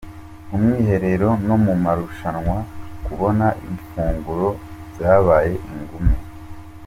Mu mwiherero no mu marushanwa kubona ifunguro byabaye ingume.